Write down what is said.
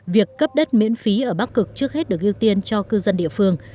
việc cấp đất miễn phí ở bắc cực trước hết được ưu tiên cho cư dân địa phương